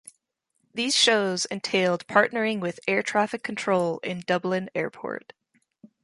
These shows entailed partnering with air traffic control in Dublin Airport.